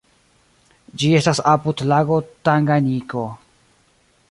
Ĝi estas apud lago Tanganjiko.